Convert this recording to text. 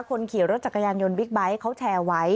คนขีดรถจักรยารยนต์บิ๊กแบตครับแชร์ไว้